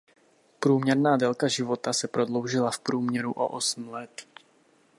Průměrná délka života se prodloužila v průměru o osm let.